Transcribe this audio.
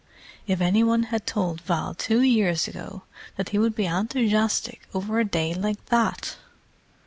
"If any one had told Val two years ago that he would be enthusiastic over a day like that!"